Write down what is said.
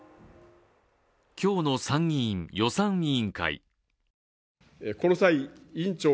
今日の参議院予算委員会。